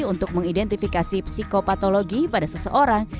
untuk mengidentifikasi psikopatologi pada seseorang